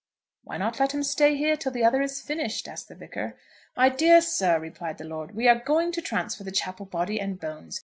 "Why not let him stay here till the other is finished?" asked the Vicar. "My dear sir," replied the lord, "we are going to transfer the chapel body and bones.